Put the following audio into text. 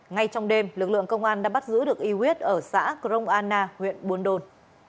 ngay trong đêm lực lượng công an đã bắt giữ được y huyết ở xã crong anna huyện buôn đôn